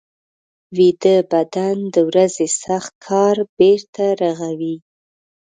ویده بدن د ورځې سخت کار بېرته رغوي